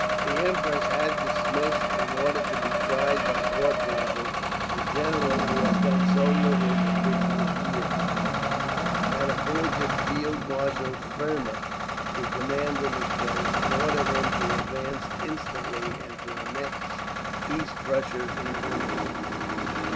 The empress had dismissed, and ordered to be tried by court martial, the general who had done so little the previous year; had appointed Field Marshal Fermor to command in his place, and ordered him to advance instantly and to annex East Prussia in her name.